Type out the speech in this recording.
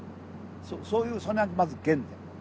そういうそれがまず原点。